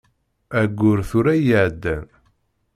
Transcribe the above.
Ayyur tura i iɛeddan.